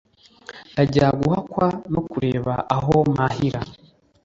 "Ndajya guhakwa no kureba aho mpahira."